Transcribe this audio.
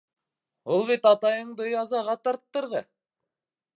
Ул бит атайыңды язаға тарттырҙы.